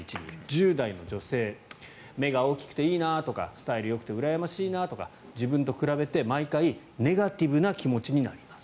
１０代の女性目が大きくていいなあとかスタイルよくて羨ましいなとか自分と比べて毎回ネガティブな気持ちになります。